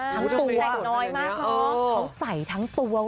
ใช่ทั้งตัว